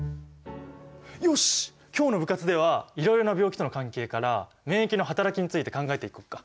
よし今日の部活ではいろいろな病気との関係から免疫のはたらきについて考えていこうか。